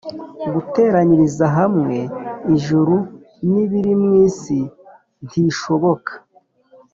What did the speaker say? Guteranyiriza hamwe ijuru n’ibiri mu isi ntishoboka